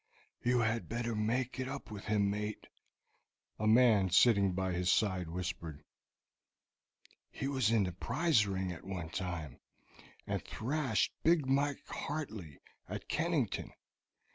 "You had better make it up with him, mate," a man sitting by his side whispered. "He was in the prize ring at one time, and thrashed big Mike Hartley at Kennington.